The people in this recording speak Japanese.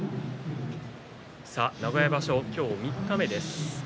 名古屋場所、今日三日目です。